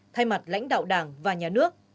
thay mặt lãnh đạo đảng và nhà nước